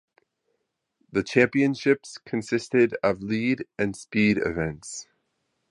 The championships consisted of lead and speed events.